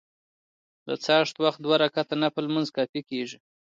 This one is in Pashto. د څاښت وخت دوه رکعته نفل لمونځ کافي کيږي .